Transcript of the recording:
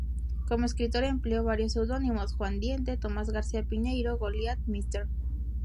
Como escritor empleó varios seudónimos: Juan Diente, Tomás García Piñeiro, Goliat, Mr.